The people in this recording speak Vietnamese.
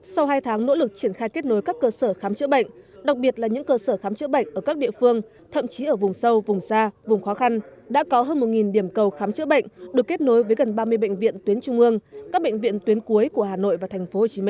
sau hai tháng nỗ lực triển khai kết nối các cơ sở khám chữa bệnh đặc biệt là những cơ sở khám chữa bệnh ở các địa phương thậm chí ở vùng sâu vùng xa vùng khó khăn đã có hơn một điểm cầu khám chữa bệnh được kết nối với gần ba mươi bệnh viện tuyến trung ương các bệnh viện tuyến cuối của hà nội và tp hcm